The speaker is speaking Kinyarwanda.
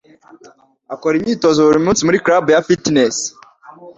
Akora imyitozo buri munsi muri club ya fitness.